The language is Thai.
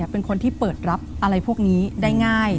เป็นคนที่เปิดรับอะไรพวกนี้ได้ง่าย